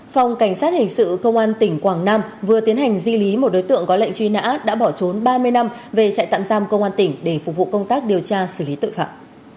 phòng cảnh sát hình sự công an tỉnh quảng nam vừa tiến hành di lý một đối tượng có lệnh truy nã đã bỏ trốn ba mươi năm về trại tạm giam công an tỉnh để phục vụ công tác điều tra xử lý tội phạm